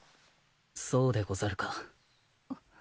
そうでござるか。